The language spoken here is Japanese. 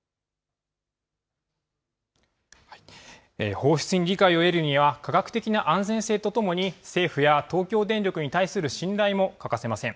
放出に理解を得るには、科学的な安全性とともに政府や東京電力に対する信頼も欠かせません。